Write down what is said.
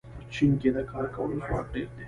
په چین کې د کار کولو ځواک ډېر دی.